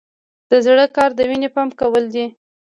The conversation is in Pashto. د زړه کار د وینې پمپ کول دي